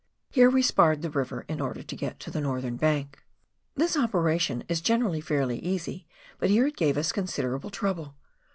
Here we " sparred " the river, in order to get to the northern bank. This operation is generally fairly easy, but here it gave us considerable trouble.